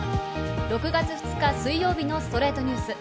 ６月２日水曜日の『ストレイトニュース』。